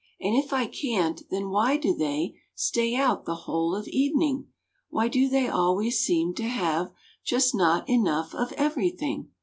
And if I can't, then why do they Stay out, the whole of evening? Why do they always seem to have Just Not Enough of everything?